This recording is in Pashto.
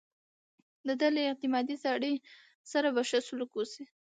د ده له اعتمادي سړي سره به ښه سلوک وشي.